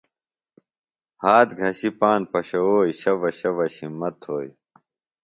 ہات گِھشی پاند پشَوؤئیۡ، شبش شبش ہِمت تھوئیۡ